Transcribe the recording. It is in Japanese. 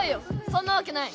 そんなわけない。